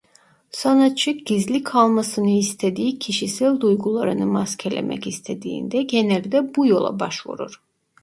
Sanatçı gizli kalmasını istediği kişisel duygularını maskelemek istediğinde genelde bu yola başvurur.